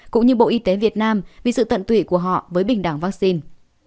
cũng như bộ y tế việt nam vì sự tận tụy của họ với bình đẳng vaccine